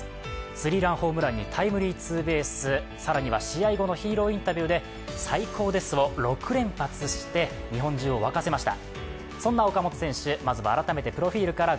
スリーランホームランにタイムリーツーベース、更には試合後のヒーローインタビューで「最高です！」を６連発して日本中を沸かせました。